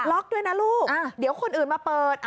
ด้วยนะลูกเดี๋ยวคนอื่นมาเปิด